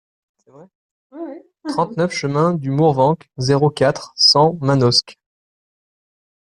trente-neuf chemin du Mourvenc, zéro quatre, cent Manosque